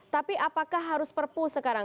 tapi apakah harus perpu sekarang